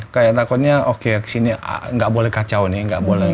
kayak takutnya oke kesini gak boleh kacau nih